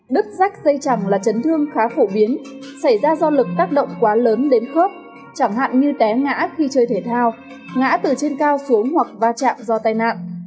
đứt rách dây chẳng là chấn thương khá phổ biến xảy ra do lực tác động quá lớn đến khớp chẳng hạn như té ngã khi chơi thể thao ngã từ trên cao xuống hoặc va chạm do tai nạn